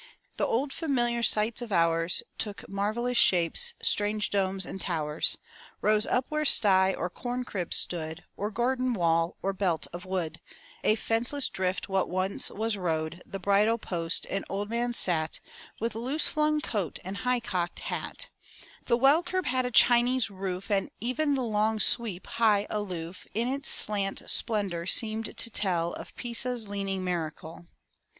The old familiar sights of ours Took marvellous shapes; strange domes and towers Rose up where sty or corn crib stood. Or garden wall, or belt of wood; A fenceless drift what once was road; The bridle post an old man sat Used by permission of Hougrhton Mifflin Company. M Y BOOK HOUSE With loose flung coat and high cocked hat; The well curb had a Chinese roof; And even the long sweep, high aloof, In its slant splendor, seemed to tell Of Pisa's leaning miracle.